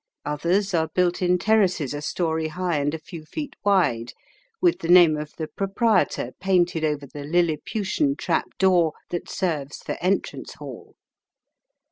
Others are built in terraces a storey high and a few feet wide, with the name of the proprietor painted over the liliputian trap door that serves for entrance hall.